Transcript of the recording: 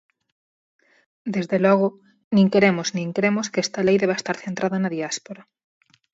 Desde logo, nin queremos nin cremos que esta lei deba estar centrada na diáspora.